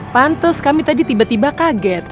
pantes kami tadi tiba tiba kaget